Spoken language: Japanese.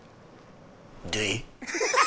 で？